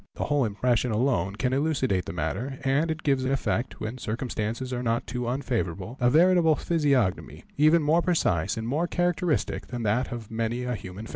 The whole impression alone can elucidate the matter, and it gives in effect, when circumstances are not too unfavourable, a veritable physiognomy, even more precise and more characteristic than that of many a human face.